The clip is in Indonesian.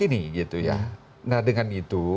ini gitu ya nah dengan itu